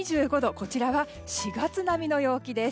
こちらは４月並みの陽気です。